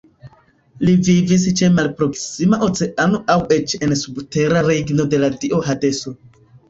Li vivis ĉe malproksima Oceano aŭ eĉ en subtera regno de la dio Hadeso.